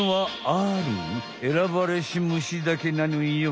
ある「選ばれし虫」だけなのよ。